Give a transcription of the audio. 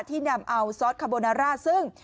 ที่นำเอาซอสคาโบนาร่าซึ่ง